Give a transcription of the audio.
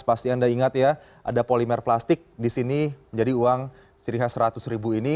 pasti anda ingat ya ada polimer plastik di sini menjadi uang ciri khas seratus ribu ini